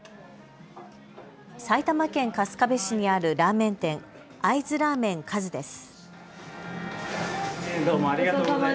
埼玉県春日部市にあるラーメン店、会津ラーメン和です。